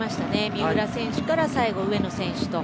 三浦選手から最後、上野選手と。